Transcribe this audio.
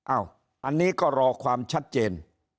อันนี้ก็รอความชัดเจน